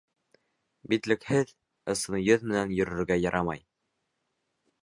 Битлекһеҙ, ысын йөҙ менән йөрөргә ярамай.